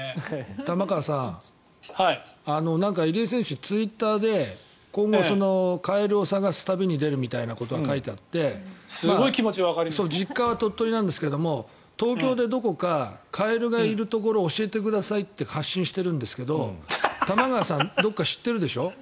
玉川さんなんか入江選手、ツイッターで今後カエルを探す旅に出るみたいなことが書いてあって実家は鳥取なんですが東京でどこかカエルがいるところを教えてくださいって発信してるんですけど玉川さんどこか知ってるでしょ？